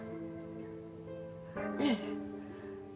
ええ。